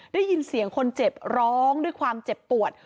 ได้ยินเสียงคนเจ็บร้องด้วยความเจ็บปวด